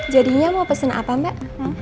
jadinya mau pesen apa mbak